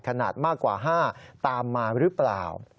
ขนาดมากกว่า๕ตามมาหรือเปล่า